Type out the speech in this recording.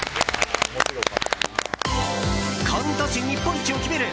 コント師日本一を決める